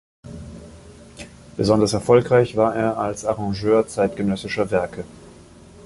Besonders erfolgreich war er als Arrangeur zeitgenössischer Werke.